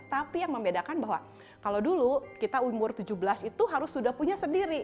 tapi yang membedakan bahwa kalau dulu kita umur tujuh belas itu harus sudah punya sendiri